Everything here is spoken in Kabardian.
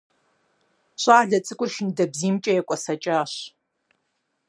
Щӏалэ цӏыкӏур шындэбзиймкӏэ екӏуэсэкӏащ.